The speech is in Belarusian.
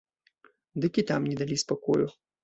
Дык і там не далі спакою.